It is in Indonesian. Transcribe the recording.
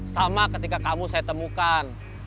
sama ketika kamu saya temukan